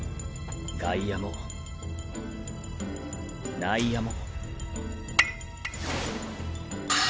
外野も内野も。